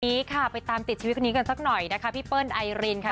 นี้ค่ะไปตามติดชีวิตคนนี้กันสักหน่อยนะคะพี่เปิ้ลไอรินค่ะ